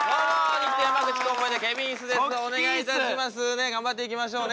ねえ頑張っていきましょうね。